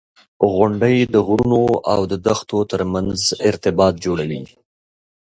• غونډۍ د غرونو او دښتو ترمنځ ارتباط جوړوي.